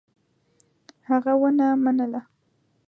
هغه ونه منله.